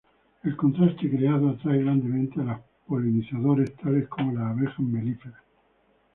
El contraste creado atrae grandemente a los polinizadores tales como las abejas melíferas.